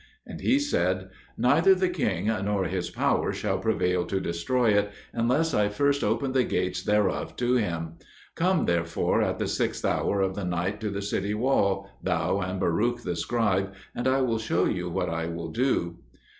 And He said, "Neither the king nor his power shall prevail to destroy it, unless I first open the gates thereof to him. Come therefore at the sixth hour of the night to the city wall, thou and Baruch the scribe, and I will show you what I will do."